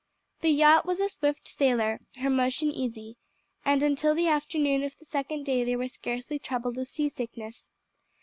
The yacht was a swift sailer, her motion easy, and until the afternoon of the second day they were scarcely troubled with sea sickness.